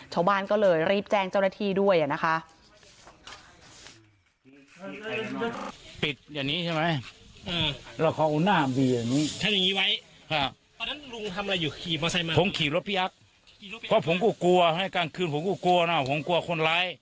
ชาวบ้านก็เลยรีบแจ้งเจ้าหน้าที่ด้วยนะคะ